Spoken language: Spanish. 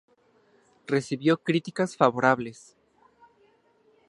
Recibió críticas favorables.